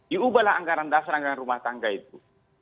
diubahlah anggaran dasar anggaran rumah tangga itu